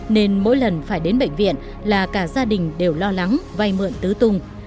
nên mỗi lần phải đến bệnh viện là cả gia đình đều lo lắng vay mượn tứ tung